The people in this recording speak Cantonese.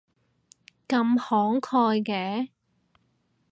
咁慷慨嘅